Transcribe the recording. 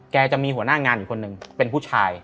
จะมีหัวหน้างานอีกคนนึงเป็นผู้ชาย